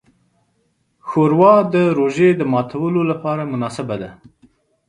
ښوروا د روژې د ماتیو لپاره مناسبه ده.